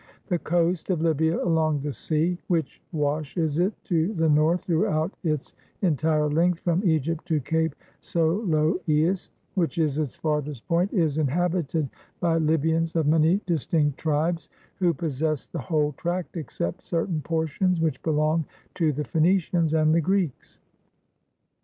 (The coast of Libya, along the sea, which washes it to the north throughout its entire length from Egypt to Cape Soloeis, which is its farthest point, is inhabited by Libyans of many distinct tribes, who possess the whole tract except certain portions which belong to the Phoenicians and the Greeks.)